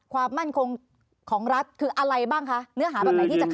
ความมั่นคงของรัฐคืออะไรบ้างคะเนื้อหาแบบไหนที่จะทำ